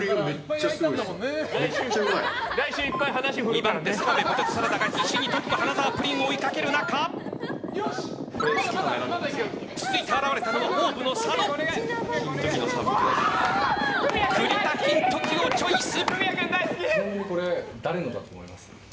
２番手、澤部ポテトサラダが必死にトップの花澤プリンを追いかける中続いて現れたのは栗田金時をチョイス！